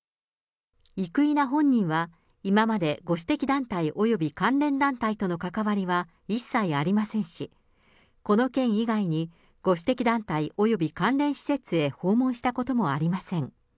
生稲本人は、今までご指摘団体および関連団体との関わりは一切ありませんし、この件以外に、ご指摘団体および関連施設へ訪問したこともありません。